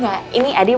jaringi banget ada apa